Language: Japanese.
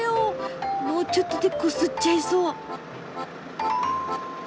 もうちょっとでこすっちゃいそう。